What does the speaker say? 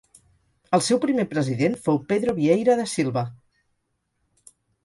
El seu primer president fou Pedro Vieira da Silva.